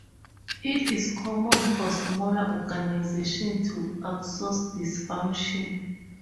It is common for smaller organizations to outsource this function.